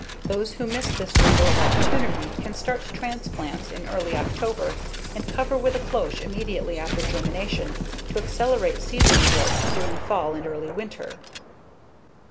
Those who miss this window of opportunity can start transplants in early October and cover with a cloche immediately after germination, to accelerate seedling growth during fall and early winter.